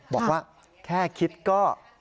บอกว่าแค่คิดก็